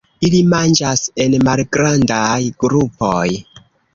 Ili manĝas en malgrandaj grupoj.